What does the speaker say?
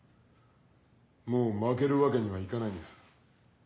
もう負けるわけにはいかないんだ。